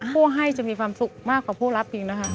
ผู้ให้จะมีความสุขมากกว่าผู้รับอีกนะคะ